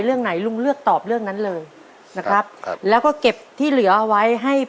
ถามรวมเลยดีกว่า